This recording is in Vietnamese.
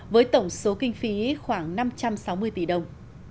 với tổng số kinh phí khoảng năm trăm sáu mươi tỷ đồng